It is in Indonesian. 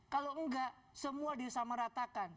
kalau enggak semua disameratakan